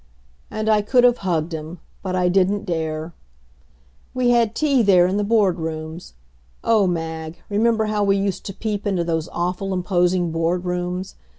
And I could have hugged him; but I didn't dare. We had tea there in the Board rooms. Oh, Mag, remember how we used to peep into those awful, imposing Board rooms!